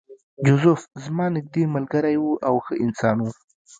جوزف زما نږدې ملګری و او ښه انسان و